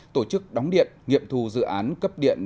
tổ chức đóng điện nghiệm thù dự án cấp điện